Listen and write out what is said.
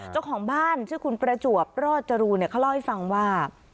เจ้าของบ้านชื่อคุณประจวบรอดจรูนเขาเล่าให้ฟังว่า